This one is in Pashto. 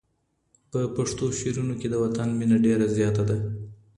په پښتو شعرونو کي د وطن مینه ډېره زیاته ده